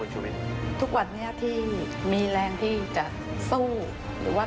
ช่วงวิทย์ตีแสดหน้า